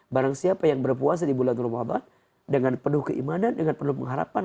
barang siapa yang berpuasa di bulan ramadan dengan penuh keimanan dengan penuh pengharapan